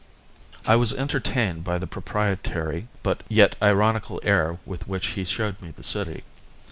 I was entertained by the proprietary, yet ironical air with which he showed me the city.